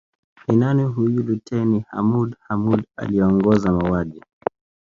Ni nani huyu Luteni Hamoud Hamoud aliyeongoza mauaji